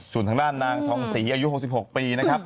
ส่วนทางด้านนางทองศรีอายุ๖๖ปีนะครับ